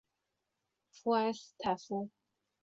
圣埃斯泰夫。